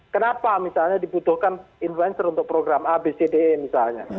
kenapa misalnya dibutuhkan influencer untuk program a b c d e misalnya